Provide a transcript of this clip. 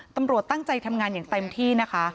ตำรวจตั้งใจทำงานอย่างเต็มที่นะคะ